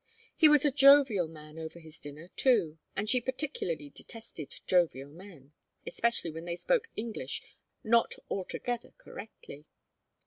He was a jovial man over his dinner, too, and she particularly detested jovial men, especially when they spoke English not altogether correctly.